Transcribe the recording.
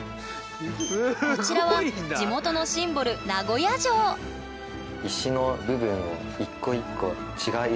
こちらは地元のシンボル名古屋城ほんとだ！